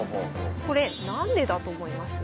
これ何でだと思います？